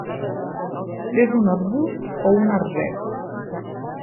És un arbust o un arbret.